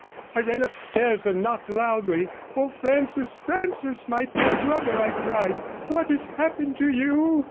I ran upstairs and knocked loudly. 'Oh, Francis, Francis, my dear brother,' I cried, 'what has happened to you?'